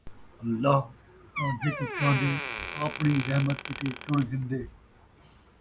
اللہ تاں جیکوں چہندے، آپڑیں رحمت کِیتے چُݨ گِھندے،